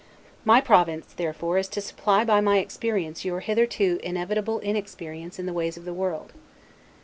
My province, therefore, is to supply by my experience your hitherto inevitable inexperience in the ways of the world.